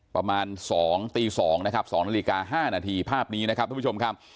ประมาณ๒ตี๒นะครับ๒นาฬิกา๕นาทีภาพนี้นะครับทุกผู้ชมครับ